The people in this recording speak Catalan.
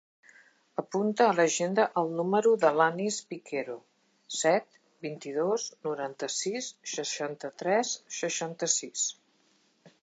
Apunta a l'agenda el número de l'Anis Piquero: set, vint-i-dos, noranta-sis, seixanta-tres, seixanta-sis.